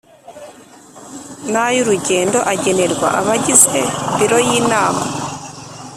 n ay urugendo agenerwa abagize Biro y Inama